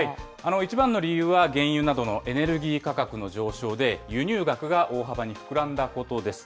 一番の理由は原油などのエネルギー価格の上昇で、輸入額が大幅に膨らんだことです。